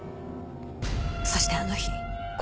そしてあの日。